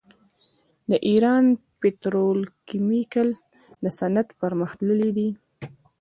د ایران پتروکیمیکل صنعت پرمختللی دی.